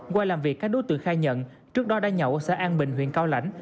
qua làm việc các đối tượng khai nhận trước đó đang nhậu ở xã an bình huyện cao lãnh